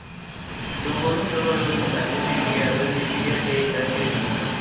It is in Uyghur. جۇڭگونىڭ تۆمۈر يول سەنئەت ئۆمىكىگە ۋەزىپىگە تەيىنلەنگەن.